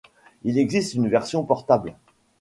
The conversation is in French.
Il existe une version portable.